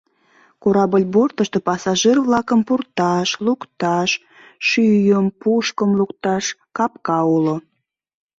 Корабль бортышто пассажир-влакым пурташ, лукташ, шӱйым, пушкым лукташ капка уло.